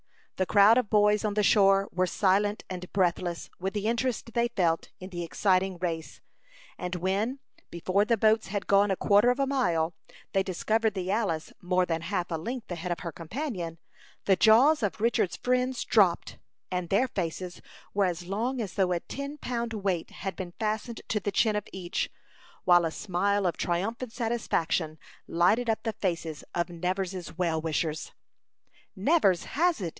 The crowd of boys on the shore were silent and breathless with the interest they felt in the exciting race; and when, before the boats had gone a quarter of a mile, they discovered the Alice more than half a length ahead of her companion, the jaws of Richard's friends dropped, and their faces were as long as though a ten pound weight had been fastened to the chin of each, while a smile of triumphant satisfaction lighted up the faces of Nevers's well wishers. "Nevers has it!"